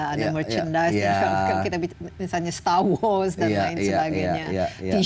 ada merchandise misalnya star wars dan lain sebagainya